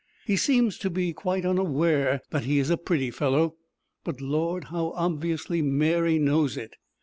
He seems to be quite unaware that he is a pretty fellow, but Lord, how obviously Mary knows it.